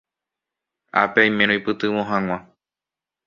ápe aime roipytyvõ hag̃ua